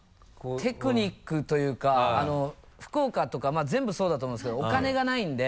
テクニックというか福岡とか全部そうだと思うんですけどお金がないんで。